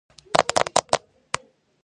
აანას უზენაეს ტიტულს ჰქვია ტუი აანა.